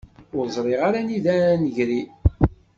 Ur ẓriɣ ara anida ara d-negri.